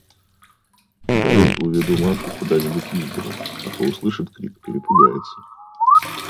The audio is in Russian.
– Дай уведу Машу куда-нибудь из дому; а то услышит крик, перепугается.